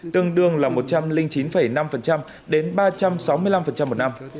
tương đương là một trăm linh chín năm đến ba trăm sáu mươi năm một năm